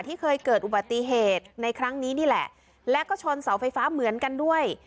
ที่เคยเกิดอุบัติเหตุในครั้งนี้นี่แหละแล้วก็ชนเสาไฟฟ้าเหมือนกันด้วย